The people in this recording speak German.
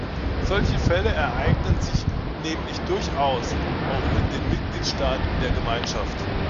Solche Fälle ereignen sich nämlich durchaus auch in den Mitgliedstaaten der Gemeinschaft.